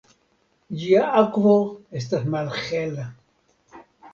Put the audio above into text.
Ĝia akvo estas malhela.